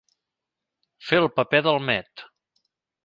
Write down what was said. Fer el paper del met.